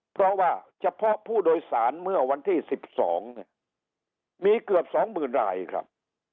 เพราะว่าเฉพาะผู้โดยสารเมื่อวันที่สิบสองมีเกือบสองหมื่นรายครับ